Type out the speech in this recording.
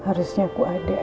harusnya aku ada ya